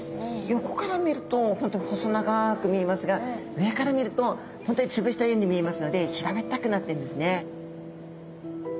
横から見ると本当に細長く見えますが上から見ると本当に潰したように見えますので平べったくなっているんですね。